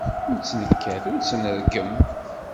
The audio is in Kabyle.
Ur tt-nekkat ur tt-nreggem.